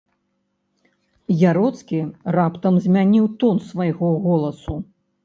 Яроцкі раптам змяніў тон свайго голасу.